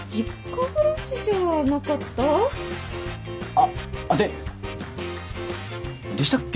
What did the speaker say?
あっでっでしたっけ？